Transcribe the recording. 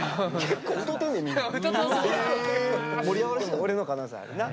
でも俺の可能性あるな。